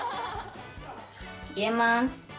入れます。